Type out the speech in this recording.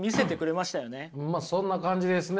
まあそんな感じですね